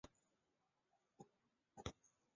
治所在牂牁县。